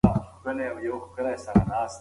په تبعيد کې ژوند سخت و.